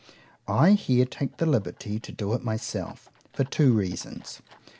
—I here take the liberty to do it myself, for two reasons.